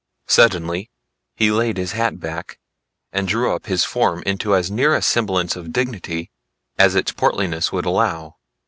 Suddenly he laid his hat back, and drew up his form into as near a semblance of dignity as its portliness would allow.